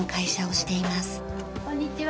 こんにちは。